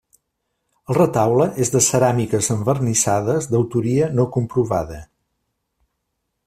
El retaule és de ceràmiques envernissades d'autoria no comprovada.